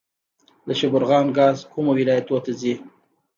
د شبرغان ګاز کومو ولایتونو ته ځي؟